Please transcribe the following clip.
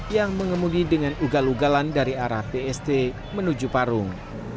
yang mengemudi dengan ugal ugalan dari arah tst menuju parung